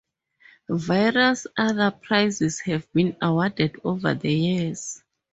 Various other prizes have been awarded over the years.